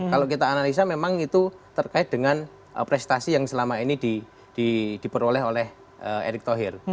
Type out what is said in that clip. kalau kita analisa memang itu terkait dengan prestasi yang selama ini diperoleh oleh erick thohir